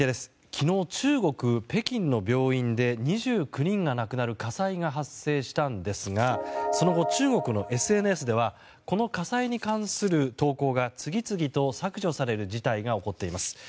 昨日、中国・北京の病院で２９人が亡くなる火災が発生したんですがその後、中国のＳＮＳではこの火災に関する投稿が次々と削除される事態が起こっています。